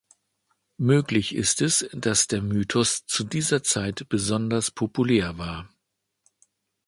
Möglich ist es, dass der Mythos zu dieser Zeit besonders populär war.